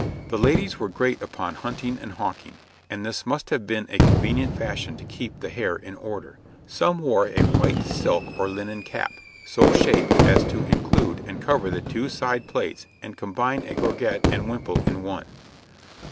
The ladies were great upon hunting and hawking, and this must have been a convenient fashion to keep the hair in order. Some wore a white silk or linen cap, so shaped as to include and cover the two side plaits and combine a gorget and wimple in one.